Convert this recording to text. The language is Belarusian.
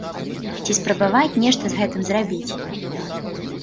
Ці спрабаваць нешта з гэтым зрабіць.